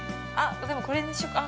でも、これにしようか。